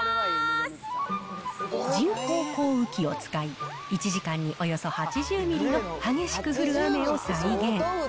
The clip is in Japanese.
人工降雨機を使い、１時間におよそ８０ミリの激しく降る雨を再現。